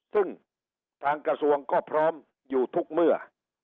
ซึ่งทางกระทรวงก็พร้อมอยู่ทุกเมื่อ